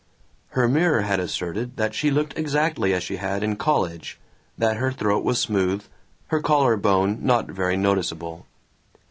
Her mirror had asserted that she looked exactly as she had in college, that her throat was smooth, her collar bone not very noticeable.